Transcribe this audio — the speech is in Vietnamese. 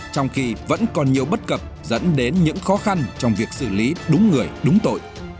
trong khi vẫn còn nhiều bất cập dẫn đến những khó khăn trong việc xử lý đúng người đúng tội